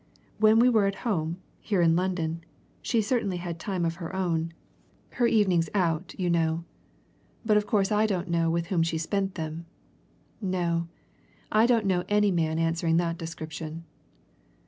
When we were at home, here in London, she certainly had time of her own her evenings out, you know but of course I don't know with whom she spent them. No I don't know any man answering that description."